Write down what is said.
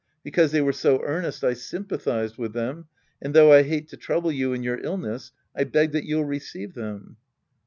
Because they were so earnest, I sym pathized with them, and though I hate to trouble you in your illness, I beg that you'll receive them.